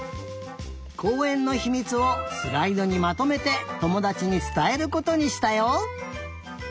こうえんのひみつをスライドにまとめてともだちにつたえることにしたよ。